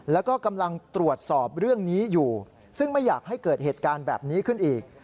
แล้วก็กำลังตรวจสอบเรื่องนี้อยู่ซึ่งไม่อยากให้เกิดเหตุการณ์แบบนี้ขึ้นอีก